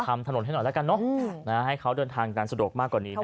ถนนให้หน่อยแล้วกันเนอะให้เขาเดินทางกันสะดวกมากกว่านี้